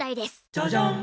「ジャジャン」